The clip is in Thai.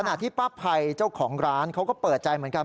ที่ป้าภัยเจ้าของร้านเขาก็เปิดใจเหมือนกัน